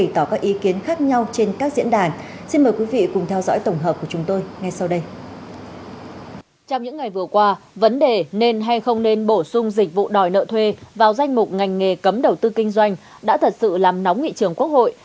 trong những ngày vừa qua vấn đề nên hay không nên bổ sung dịch vụ đòi nợ thuê vào danh mục ngành nghề cấm đầu tư kinh doanh đã thật sự làm nóng nghị trường quốc hội